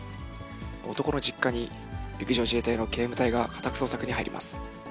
男の実家に陸上自衛隊の警務隊が家宅捜索に入ります。